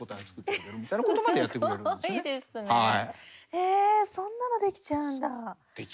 へえそんなのできちゃうんだ。